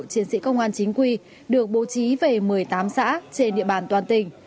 chiến sĩ công an chính quy được bố trí về một mươi tám xã trên địa bàn toàn tỉnh